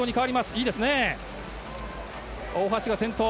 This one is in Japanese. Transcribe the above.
大橋が先頭。